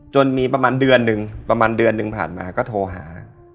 จนมีประมาณเดือนหนึ่งประมาณเดือนหนึ่งผ่านมาก็โทรหา